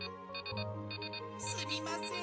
「すみません。